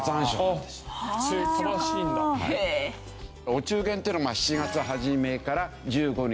お中元っていうのは７月初めから１５日まで。